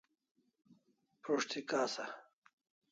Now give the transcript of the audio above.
Prus't thi kasa